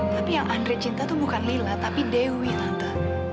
tapi yang andre cinta itu bukan lila tapi dewi tante